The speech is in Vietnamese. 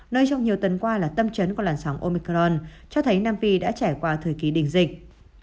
nơi trong nhiều tuần qua là tâm trấn của làn sóng omicron cho thấy nam phi đã trải qua thời kỳ đình dịch